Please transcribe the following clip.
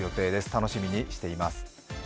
楽しみにしています。